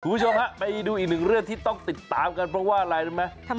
คุณผู้ชมฮะไปดูอีกหนึ่งเรื่องที่ต้องติดตามกันเพราะว่าอะไรรู้ไหม